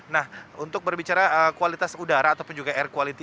nah untuk berbicara kualitas udara ataupun juga air quality